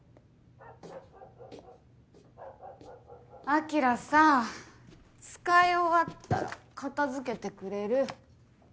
晶さぁ使い終わったら片付けてくれる？